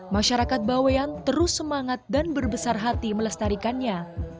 masyarakat bawean terus semangat dan berbesar hati melestarikannya